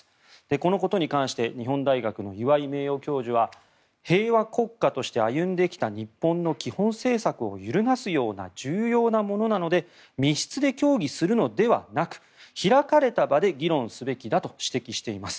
このことに関して日本大学の岩井名誉教授は平和国家として歩んできた日本の基本政策を揺るがすような重要なものなので密室で協議するのではなく開かれた場で議論すべきだと指摘しています。